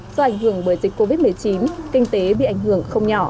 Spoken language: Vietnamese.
do ảnh hưởng bởi dịch covid một mươi chín kinh tế bị ảnh hưởng